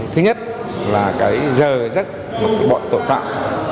thứ nhất là giờ rất bọn tội phạm